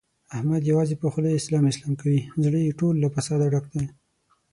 احمد یوازې په خوله اسلام اسلام کوي، زړه یې ټول له فساده ډک دی.